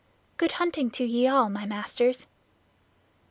Good hunting to ye all, my masters."